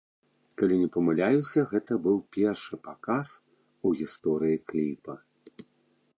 Калі не памыляюся, гэта быў першы паказ у гісторыі кліпа.